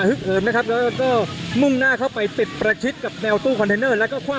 ทางกลุ่มมวลชนทะลุฟ้าทางกลุ่มมวลชนทะลุฟ้า